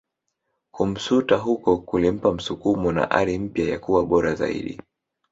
Kumsuta huko kulimpa msukumo na ari mpya ya kuwa bora zaidi